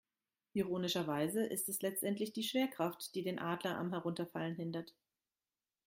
Ironischerweise ist es letztendlich die Schwerkraft, die den Adler am Herunterfallen hindert.